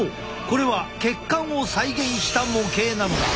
これは血管を再現した模型なのだ。